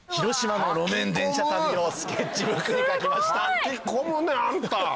描き込むねあんた！